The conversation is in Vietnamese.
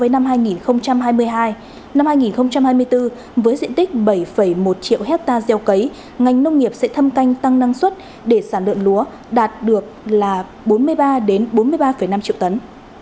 năm hai nghìn hai mươi bốn với diện tích bảy một triệu ha gieo cấy ngành nông nghiệp sẽ thâm canh tăng năng suất để sản lượng lúa đạt được bốn mươi ba bốn mươi ba năm triệu tấn